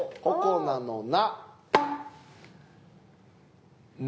「ここな」の「な」！